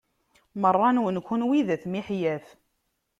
Meṛṛa-nwen kunwi d at miḥyaf.